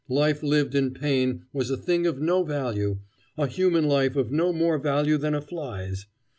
Life lived in pain was a thing of no value a human life of no more value than a fly's.